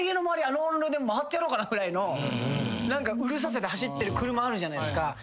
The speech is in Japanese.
あの音量で回ってやろうかなぐらいのうるささで走ってる車あるじゃないですか。